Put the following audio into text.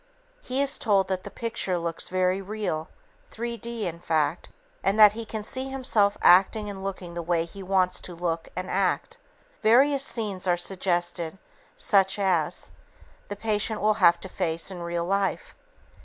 He is told that the picture looks 'very real' '3 D' in fact and that he can see himself acting and looking the way he really wants to look and act. Various scenes are suggested such as ... the patient will have to face in real life.